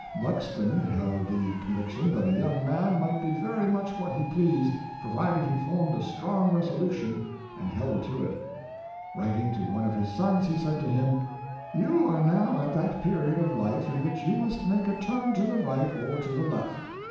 Buxton held the conviction that a young man might be very much what he pleased, provided he formed a strong resolution and held to it. Writing to one of his sons, he said to him, " You are now at that period of life, in which you must make a turn to the right or the left.